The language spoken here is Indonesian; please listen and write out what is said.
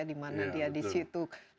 dimana dia di situ tampak menari ya